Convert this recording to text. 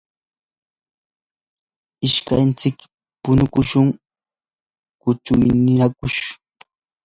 ishkantsik punukushun quñutsinakur.